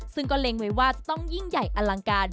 ซึ่งก็เล็งไว้ว่าจะต้องยิ่งใหญ่อลังการ